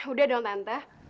udah dong tante